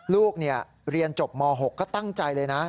ลูกเรียนจบม๖ก็ตั้งใจเลยนะ